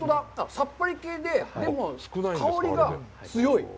さっぱり系で、でも、香りが強い。